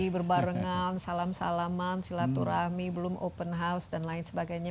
berbarengan salam salaman silaturahmi belum open house dan lain sebagainya